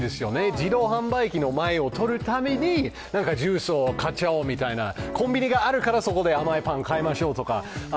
自動販売機の前を通るたびにビールを買っちゃおうとか、コンビニがあるから、そこで甘いパンを買いましょうとか。